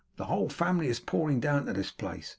The whole family is pouring down to this place.